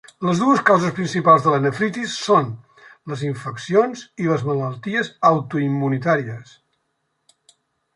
Les dues causes principals de la nefritis són les infeccions i les malalties autoimmunitàries.